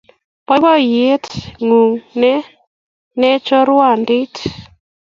Boboiyet nyu nene chorwandit